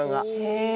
へえ。